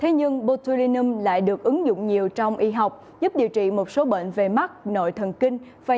hãy đợi phóng sự sau đây